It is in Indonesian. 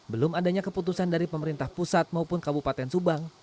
belum adanya keputusan dari pemerintah pusat maupun kabupaten subang